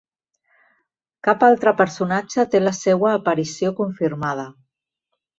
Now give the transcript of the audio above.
Cap altre personatge té la seua aparició confirmada.